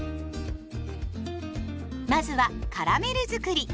まずはカラメルづくり。